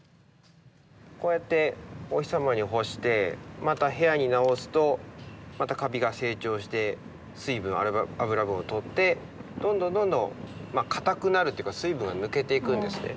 こうやってお日様に干してまた部屋に直すとまたカビが成長して水分油分を取ってどんどんどんどん硬くなるというか水分が抜けていくんですね。